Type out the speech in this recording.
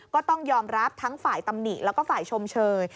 ก็ต้องยอมรับทั้งฝ่ายตำหนิแล้วก็ฝ่ายชมเชย